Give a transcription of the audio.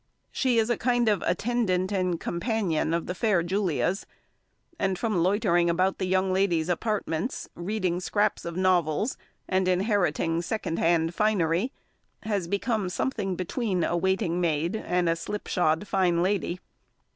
She is a kind of attendant and companion of the fair Julia's; and from loitering about the young lady's apartments, reading scraps of novels, and inheriting second hand finery, has become something between a waiting maid and a slip shod fine lady.